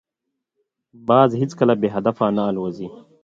باز هیڅکله بې هدفه نه الوزي